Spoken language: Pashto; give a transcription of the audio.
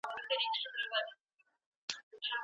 اسلام د ازاد انسان خرڅول نه مني.